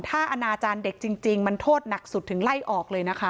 ถ้าอนาจารย์เด็กจริงมันโทษหนักสุดถึงไล่ออกเลยนะคะ